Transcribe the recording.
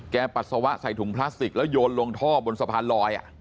ปัสสาวะใส่ถุงพลาสติกแล้วโยนลงท่อบนสะพานลอย